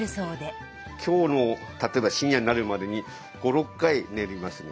今日の例えば深夜になるまでに５６回練りますね。